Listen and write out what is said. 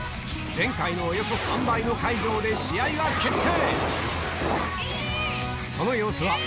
前回のおよそ３倍の会場で試合が決定！